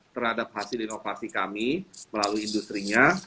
terhadap hasil inovasi kami melalui industri nya